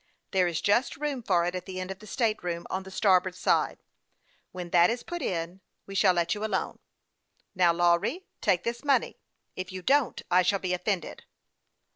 There is just room for it at the end of the state room on the starboard side. When that is put in, we shall let you alone. Now, Lawry, take this money ; if you don't, I shall be offended."